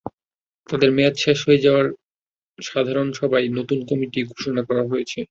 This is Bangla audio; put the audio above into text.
তাঁদের মেয়াদ শেষ হয়ে যাওয়ায় সাধারণ সভায় নতুন কমিটি ঘোষণা করা হয়েছে।